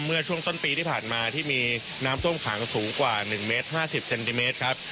เมื่อช่วงต้นปีที่ผ่านมาที่มีน้ำท่วมขังสูงกว่า๑เมตร๕๐เซนติเมตรครับ